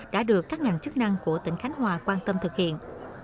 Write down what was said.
đã được các ngành chức năng của tỉnh khánh hòa quan tâm thực hiện